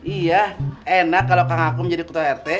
iya enak kalo kakak akum jadi ketua rt